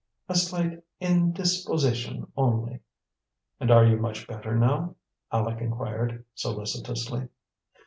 "A slight indisposition only." "And are you much better now?" Aleck inquired solicitously.